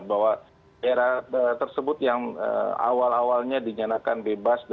bahwa era tersebut yang awal awalnya dinyatakan bebas